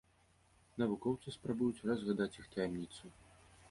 Навукоўцы спрабуюць разгадаць іх таямніцу.